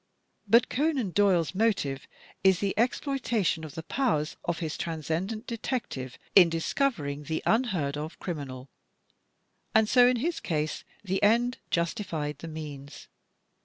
But Conan Doyle's motive is the exploitation of the powers of his Transcendent Detective in discovering the unheard of crimi nal, and so in his case the end justified the means.